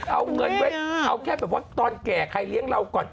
เอาเงินไว้เอาแค่แบบว่าตอนแก่ใครเลี้ยงเราก่อน